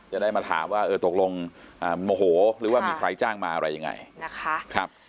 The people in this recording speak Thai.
จะได้มาถามว่าเออตกลงโมโหหรือว่ามีใครจ้างมาอะไรยังไงนะคะ